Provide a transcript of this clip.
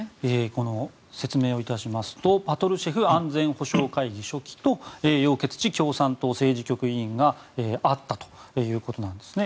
この説明をいたしますとパトルシェフ安全保障会議書記とヨウ・ケツチ共産党政治局委員が会ったということですね。